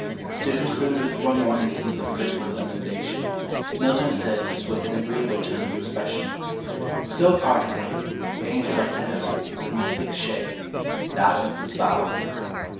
To conclude with one more instance of critical emendation: Milton says, with an agreeable turn of expression So parted they; the angel up to heaven, From the thick shade; and Adam to his bower.